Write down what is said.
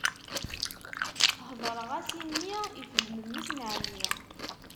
Hedṛeɣ-as i mmi, ifhem mmi-s n ɛemmi.